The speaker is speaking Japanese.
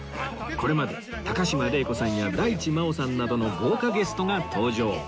これまで高島礼子さんや大地真央さんなどの豪華ゲストが登場